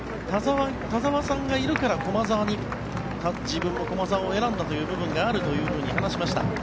田澤さんがいるから駒澤に自分を駒澤を選んだ部分もあるというふうに話しました。